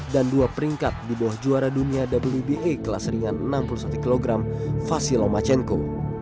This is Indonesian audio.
dan dua peringkat di bawah juara dunia wba kelas ringan enam puluh satu kg vasyl lomachenko